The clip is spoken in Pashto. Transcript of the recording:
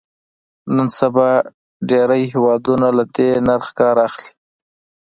نن سبا ډېری هېوادونه له دې نرخ کار اخلي.